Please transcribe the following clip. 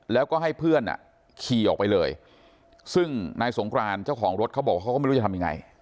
แล้วก็ให้เพื่อนขี่ออกไปเลยซึ่งนายสงกรานเจ้าของรถเขาบอกว่าเขาก็ไม่รู้จะทำยังไง